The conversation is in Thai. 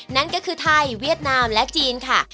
นั่นก็คือไทยเวียดนามและจีนค่ะ